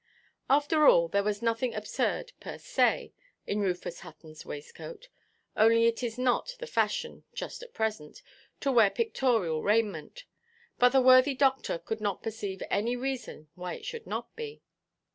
After all there was nothing absurd, per se, in Rufus Huttonʼs waistcoat, only it is not the fashion, just at present, to wear pictorial raiment; but the worthy doctor could not perceive any reason why it should not be.